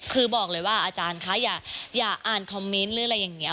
คือบอกเลยว่าอาจารย์คะอย่าอ่านคอมเมนต์หรืออะไรอย่างนี้